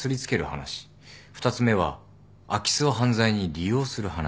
２つ目は空き巣を犯罪に利用する話。